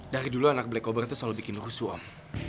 dari dulu anak black obor itu selalu bikin rusuh om